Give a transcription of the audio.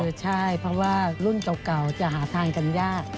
ใช่เพราะว่ารุ่นเก่าจะหาทานกันยาก